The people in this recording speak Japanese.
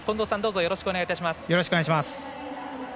よろしくお願いします。